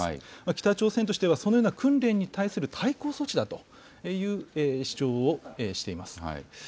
北朝鮮としては、そのような訓練に対する対抗措置だという主張をしています。